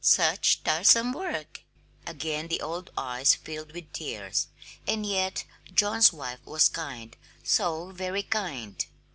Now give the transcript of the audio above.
"Such tiresome work!" Again the old eyes filled with tears; and yet John's wife was kind, so very kind!